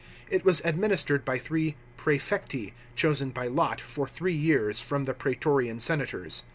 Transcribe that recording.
It was administered by three prsefecti, chosen by lot, for throe years, from the praetorian senators.